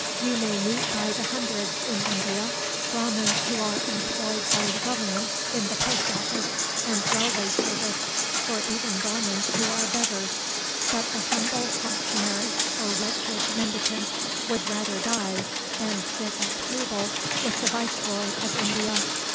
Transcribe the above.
You may meet by the hundreds in India Brahmans who are employed by the government in the post office and railway service, or even Brahmans who are beggars. But the humble functionary or wretched mendicant would rather die than sit at table with the viceroy of India.